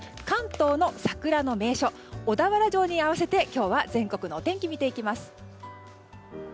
関東の桜の名所小田原城に合わせて今日は全国のお天気を見ていきます。